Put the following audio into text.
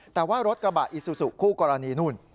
แต่ว่ารถกระบะอิซูซูคู่กรณีนู่น